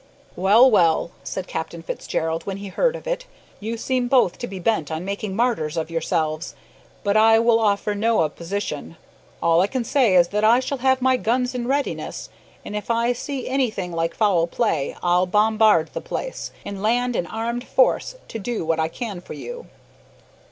"Well, well," said Captain Fitzgerald, when he heard of it; "you seem both to be bent on making martyrs of yourselves, but I will offer no opposition. All I can say is that I shall have my guns in readiness, and if I see anything like foul play, I'll bombard the place, and land an armed force to do what I can for you."